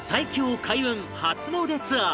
開運初詣ツアー